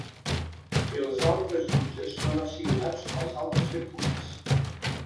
Els altres jutges són assignats als altres circuits.